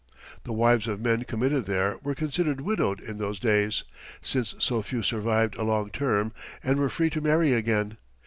The wives of men committed there were considered widowed in those days, since so few survived a long term, and were free to marry again.